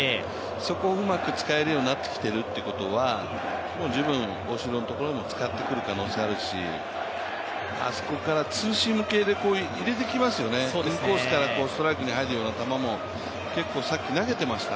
そこをうまく使えるようになってきているっていうことは、十分、大城のところを使ってくる可能性あるしあそこからツーシーム系で入れてきますよね、インコースからストライクに入ってくるような球も投げていました